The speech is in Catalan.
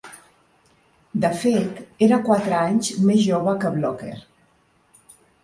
De fet, era quatre anys més jove que Blocker.